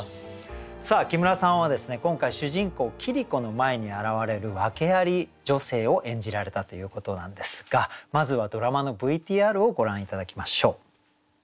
さあ木村さんはですね今回主人公桐子の前に現れる訳アリ女性を演じられたということなんですがまずはドラマのＶＴＲをご覧頂きましょう。